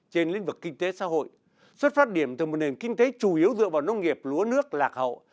trên lĩnh vực kinh tế xã hội xuất phát điểm từ một nền kinh tế chủ yếu dựa vào nông nghiệp lúa nước lạc hậu